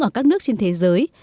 ở các nước trên thế giới